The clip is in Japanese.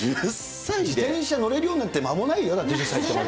自転車乗れるようになって間もないよ、だって１０歳なんて。